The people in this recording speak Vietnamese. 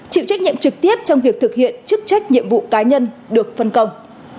chịu trách nhiệm trực tiếp trong việc thực hiện chức trách nhiệm vụ cá nhân được phân công